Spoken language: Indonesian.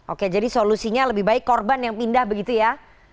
oke jadi solusinya lebih baik korban yang pindah begitu ya